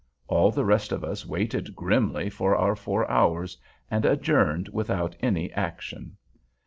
All the rest of us waited grimly for our four hours, and adjourned without any action.